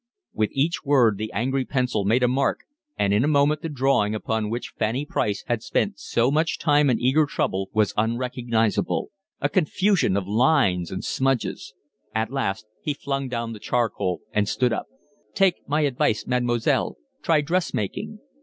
With each word the angry pencil made a mark, and in a moment the drawing upon which Fanny Price had spent so much time and eager trouble was unrecognisable, a confusion of lines and smudges. At last he flung down the charcoal and stood up. "Take my advice, Mademoiselle, try dressmaking."